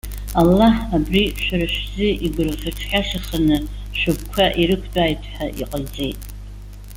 Аллаҳ, абри шәара шәзы игәырӷьаҽҳәашаханы шәыгәқәа ирықәтәааит ҳәа иҟаиҵеит.